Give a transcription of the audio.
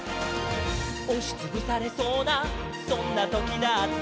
「おしつぶされそうなそんなときだって」